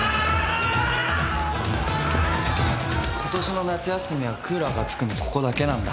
ことしの夏休みはクーラーがつくのここだけなんだ。